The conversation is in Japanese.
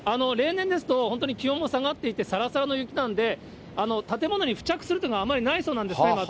例年ですと本当に気温も下がっていて、さらさらの雪なんで、建物に付着するっていうのはあまりないそうなんですね。